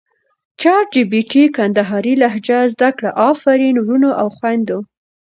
چټ جې پې ټې کندهارې لهجه زده کړه افرین ورونو او خویندو!